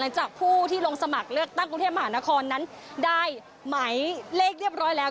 จากผู้ที่ลงสมัครเลือกตั้งกรุงเทพมหานครนั้นได้ไหมเลขเรียบร้อยแล้ว